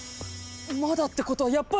「まだ」ってことはやっぱり！